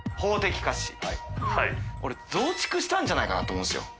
これ増築したんじゃないかなと思うんですよ。